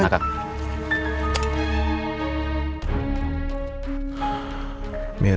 ayo kak sebesar besar